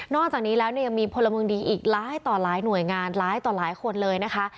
จากนี้แล้วเนี่ยยังมีพลเมืองดีอีกหลายต่อหลายหน่วยงานหลายต่อหลายคนเลยนะคะ